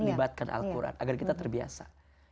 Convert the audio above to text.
libatkan al quran agar kita terbiasa